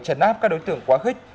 trần áp các đối tượng quá khích